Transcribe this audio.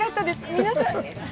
皆さん！